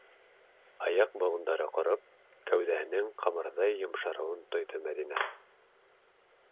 Аяҡ быуындары ҡороп, кәүҙәһенең ҡамырҙай йомшарыуын тойҙо Мәҙинә.